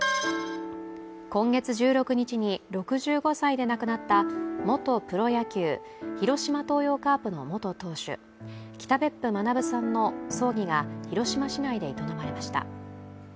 今月１６日に６５歳で亡くなった元プロ野球・広島東洋カープの元投手、北別府学さんの葬儀が広島市内で営まれました。